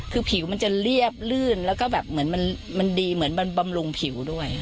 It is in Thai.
คือผิวมันจะเรียบลื่นแล้วก็แบบเหมือนมันดีเหมือนมันบำรุงผิวด้วย